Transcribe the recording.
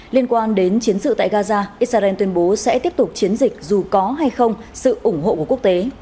liên quan đến chiến sự tại gaza israel tuyên bố sẽ tiếp tục chiến dịch dù có hay không sự ủng hộ của quốc tế